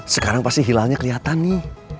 sekarang pasti hilalnya kelihatan nih